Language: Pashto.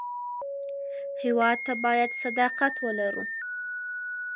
هېواد ته باید صداقت ولرو